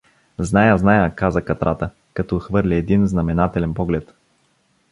— Зная, зная — каза Катрата, като хвърли един знаменателен поглед.